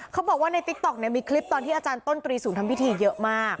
เขาบอกว่าในติ๊กต๊อกเนี่ยมีคลิปตอนที่อาจารย์ต้นตรีศูนย์ทำพิธีเยอะมาก